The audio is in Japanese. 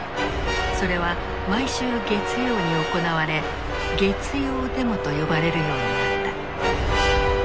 それは毎週月曜に行われ「月曜デモ」と呼ばれるようになった。